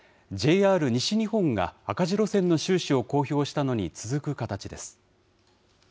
ＪＲ西日本が赤字路線の収支を公表したのに続く形です。